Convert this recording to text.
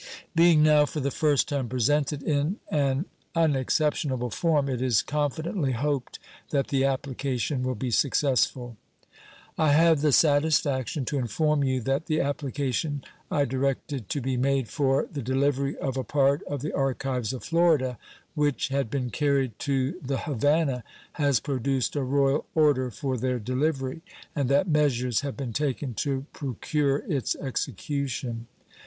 Being now for the first time presented in an unexceptionable form, it is confidently hoped that the application will be successful. I have the satisfaction to inform you that the application I directed to be made for the delivery of a part of the archives of Florida, which had been carried to The Havannah, has produced a royal order for their delivery, and that measures have been taken to procure its execution.